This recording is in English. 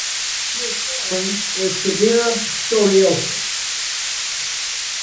He was born with severe scoliosis.